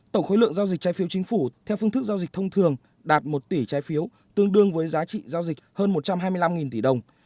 tổng khối lượng giao dịch trái phiếu chính phủ theo phương thức giao dịch thông thường đạt một tỷ trái phiếu tương đương với giá trị giao dịch hơn một trăm hai mươi năm tỷ đồng